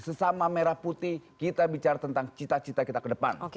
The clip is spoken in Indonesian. sesama merah putih kita bicara tentang cita cita kita ke depan